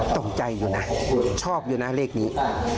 ตกใจอยู่นะชอบอยู่นะเลขนี้